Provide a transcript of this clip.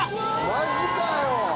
マジかよ！